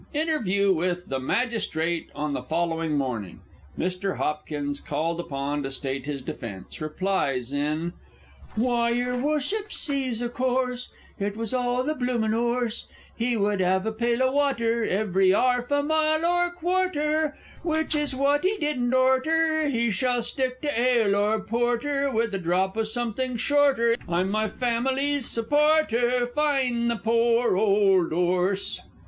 Interview with the_ Magistrate on the following morning. Mr. Hopkins called upon to state his defence, replies in Chorus Why, your wushup sees, o' course, It was all the bloomin' 'orse! He would 'ave a pail o' water Every 'arf a mile (or quarter), Which is what he didn't oughter! He shall stick to ale or porter, With a drop o' something shorter, I'm my family's supporter Fine the poor old 'orse!